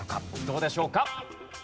どうでしょうか？